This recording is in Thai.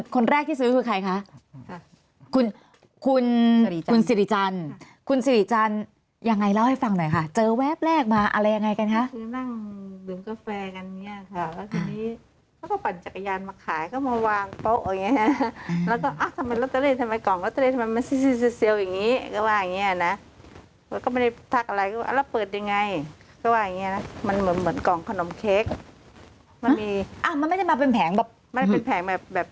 คนแรกที่ซื้อคือใครคะคุณคุณคุณสิริจันคุณสิริจันอย่างไรเล่าให้ฟังหน่อยค่ะเจอแวบแรกมาอะไรไงกันฮะมันเหมือนกล่องขนมเค้กไม่มีอ่ะมันไม่ได้มาเป็นแผงเบอร์แผงแฟนแบบ